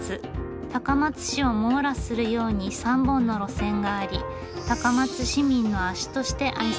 高松市を網羅するように３本の路線があり高松市民の足として愛されています。